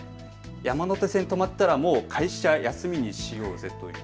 山手線止まったらもう会社休みにしようぜ。